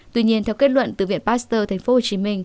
tuy nhiên theo kết luận từ viện pasteur tp hcm